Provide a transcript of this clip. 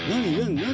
何？